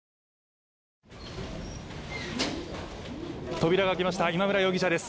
扉が開きました、今村容疑者です。